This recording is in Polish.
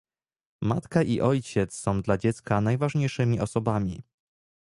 Matka i ojciec są dla dziecka najważniejszymi osobami